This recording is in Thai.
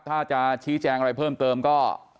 ถ้าจะชี้แจงอะไรเพิ่มเติมก็